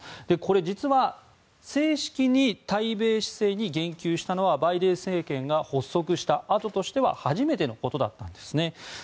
実は正式に対米姿勢に言及したのはバイデン政権が発足したあとでは初めてのことだったんです。